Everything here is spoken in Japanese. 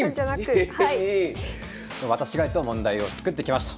私が問題を作ってきました。